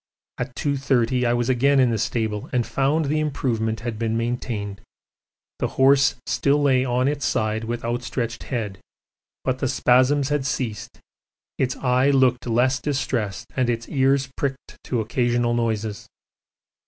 At 2.30 I was again in the stable and found the improvement had been maintained; the horse still lay on its side with outstretched head, but the spasms had ceased, its eye looked less distressed, and its ears pricked to occasional noises.